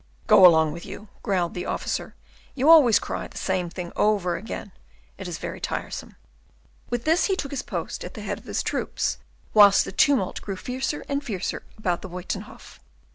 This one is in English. "Go along with you," growled the officer, "you always cry the same thing over again. It is very tiresome." With this, he took his post at the head of his troops, whilst the tumult grew fiercer and fiercer about the Buytenhof.